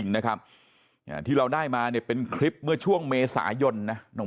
นะครับที่เราได้มาเนี่ยเป็นคลิปเมื่อช่วงเมษายนนะ